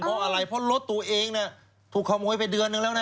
เพราะอะไรเพราะรถตัวเองถูกขโมยไปเดือนนึงแล้วนะ